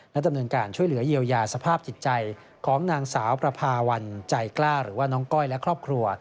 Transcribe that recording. และดำเนินการช่วยเหลือเยียวยาสภาพจิตใจของนางสาวประพาวันใจกล้าหรือว่าน้องก้อยและครอบครัว